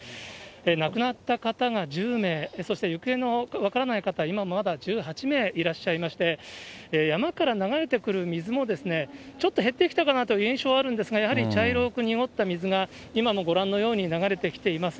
亡くなった方が１０名、そして行方の分からない方、今もまだ１８名いらっしゃいまして、山から流れてくる水もですね、ちょっと減ってきたかなという印象はあるんですが、やはり茶色く濁った水が、今もご覧のように流れてきています。